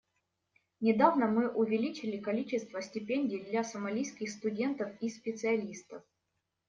Недавно мы увеличили количество стипендий для сомалийских студентов и специалистов.